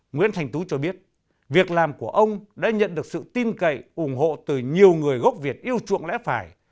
nguyễn thanh tú cho biết việc làm của ông đã nhận được sự tin cậy ủng hộ từ nhiều người gốc việt yêu chuộng lẽ phải